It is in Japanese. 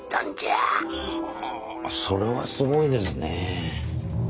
あそれはすごいですね。